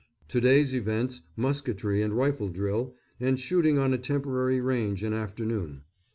To day's events, musketry and rifle drill, and shooting on a temporary range in afternoon.